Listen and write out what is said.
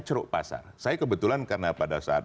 ceruk pasar saya kebetulan karena pada saat